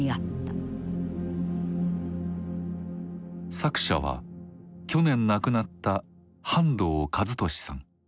作者は去年亡くなった半藤一利さん。